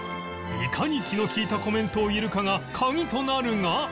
いかに気の利いたコメントを言えるかが鍵となるが